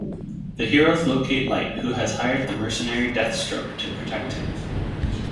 The heroes locate Light, who has hired the mercenary Deathstroke to protect him.